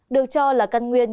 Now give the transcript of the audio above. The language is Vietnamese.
được cho là căn nguyên